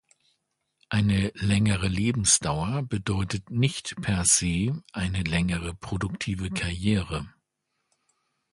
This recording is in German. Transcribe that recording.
Eine längere Lebensdauer bedeutet nicht per se eine längere produktive Karriere.